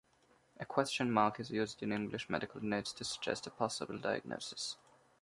A question mark is used in English medical notes to suggest a possible diagnosis.